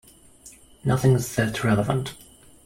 Nothing's that relevant.